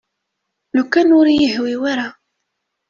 Lukan ur iyi-yehwi ara.